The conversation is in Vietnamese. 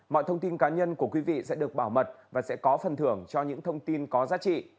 mọi thông tin cá nhân của quý vị sẽ được bảo mật và sẽ có phần thưởng cho những thông tin có giá trị